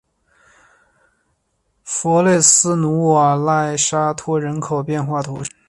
弗雷斯努瓦莱沙托人口变化图示